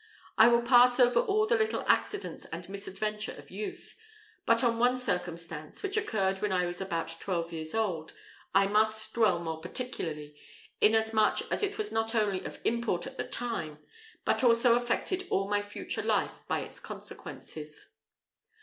I will pass over all the little accidents and misadventure of youth; but on one circumstance, which occurred when I was about twelve years old, I must dwell more particularly, inasmuch as it was not only of import at the time, but also affected all my future life by its consequences.